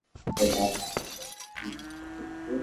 শোবানা, চিল্লাচ্ছিস কেন?